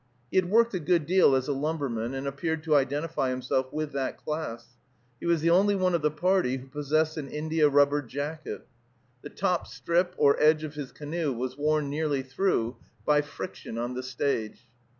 He had worked a good deal as a lumberman, and appeared to identify himself with that class. He was the only one of the party who possessed an india rubber jacket. The top strip or edge of his canoe was worn nearly through by friction on the stage.